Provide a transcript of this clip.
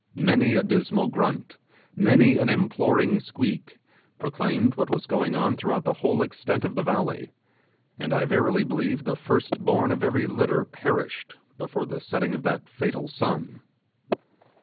Many a dismal grunt, many an imploring squeak, proclaimed what was going on throughout the whole extent of the valley; and I verily believe the first born of every litter perished before the setting of that fatal sun.